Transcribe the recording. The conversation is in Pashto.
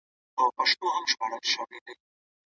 په قلم لیکنه کول د مغز انځوریز مهارتونه زیاتوي.